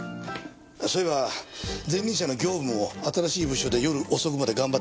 そういえば前任者の刑部も新しい部署で夜遅くまで頑張ってるそうです。